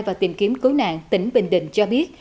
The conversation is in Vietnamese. và tìm kiếm cứu nạn tỉnh bình định cho biết